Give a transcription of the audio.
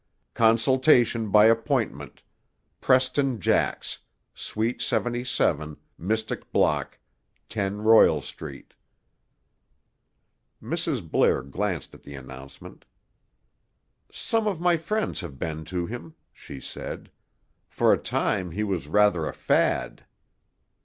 Consultation by Appointment Preston Jax Suite 77 Mystic Block, 10 Royal Street Mrs. Blair glanced at the announcement. "Some of my friends have been to him," she said. "For a time he was rather a fad."